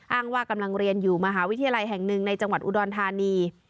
ว่ากำลังเรียนอยู่มหาวิทยาลัยแห่งหนึ่งในจังหวัดอุดรธานี